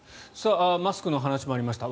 マスクの話もありました